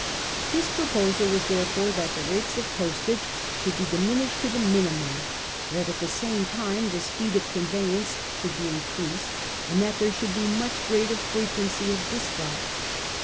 His proposal was therefore that the rates of post age should be diminished to the minimum ; that at the same time the speed of conveyance should be in creased, and that there should be much greater fre quency of despatch.